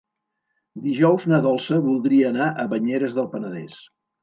Dijous na Dolça voldria anar a Banyeres del Penedès.